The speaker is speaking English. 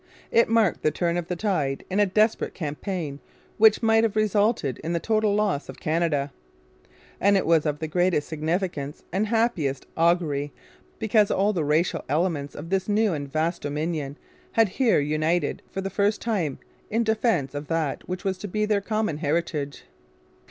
It marked the turn of the tide in a desperate campaign which might have resulted in the total loss of Canada. And it was of the greatest significance and happiest augury because all the racial elements of this new and vast domain had here united for the first time in defence of that which was to be their common heritage.